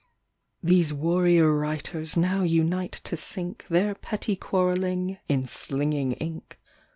These warrior writers now unite to sink Their petty quarrelling in slinging ink.